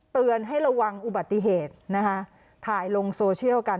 เตือนให้ระวังอุบัติเหตุนะคะถ่ายลงโซเชียลกัน